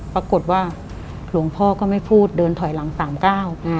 ปรากฏว่าหลวงพ่อก็ไม่พูดเดินถอยหลังสามก้าว